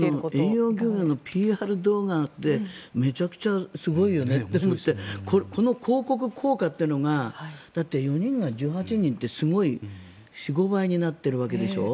遠洋漁業のＰＲ動画ってめちゃくちゃすごいよねと思ってこの広告効果というのがだって、４人が１８人ってすごい４５倍になってるわけでしょ。